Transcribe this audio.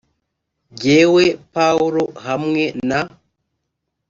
jyewe pawulo hamwe na